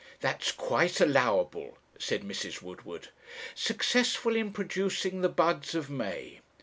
'That's quite allowable,' said Mrs. Woodward "successful in producing the buds of May.